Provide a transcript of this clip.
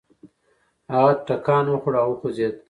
هغه ټکان وخوړ او وخوځېد.